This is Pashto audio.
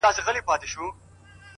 څوك به ليكي قصيدې د كونړونو!